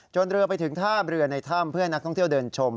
เรือไปถึงท่าเรือในถ้ำเพื่อให้นักท่องเที่ยวเดินชม